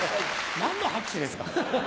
何の拍手ですか？